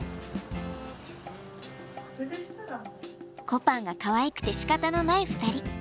こぱんがかわいくてしかたのない２人。